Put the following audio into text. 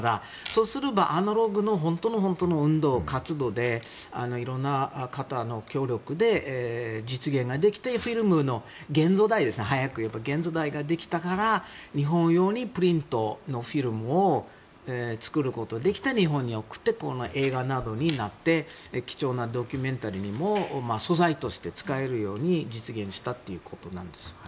そうするとアナログの活動でいろんな方の協力で実現ができて早くいえばフィルムの現像代ができたから日本用にプリントのフィルムを作ることができて、日本に送って映画などになって貴重なドキュメンタリーにも素材として使えるように実現したということなんです。